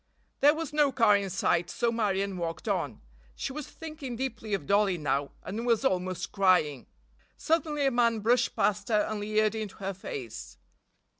There was no car in sight so Marion walked on. She was thinking deeply of Dollie now, and was almost crying. Suddenly a man brushed past her and leered into her face.